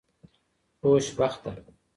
خوشبخته